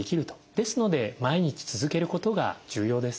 ですので毎日続けることが重要です。